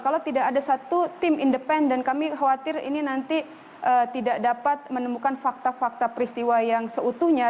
kalau tidak ada satu tim independen kami khawatir ini nanti tidak dapat menemukan fakta fakta peristiwa yang seutuhnya